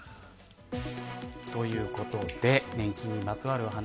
ということで年金にまつわるお話。